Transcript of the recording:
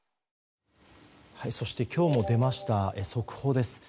そして今日も出ました速報です。